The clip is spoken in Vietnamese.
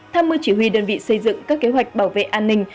tham mưu chỉ huy đơn vị xây dựng các kế hoạch bảo vệ an ninh